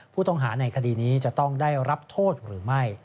ผู้ต้องหาในคดีนี้จะต้องได้รับโทษหรือไม่